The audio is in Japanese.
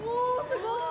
すごい！